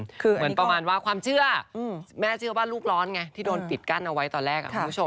คือเหมือนประมาณว่าความเชื่อแม่เชื่อว่าลูกร้อนไงที่โดนปิดกั้นเอาไว้ตอนแรกคุณผู้ชม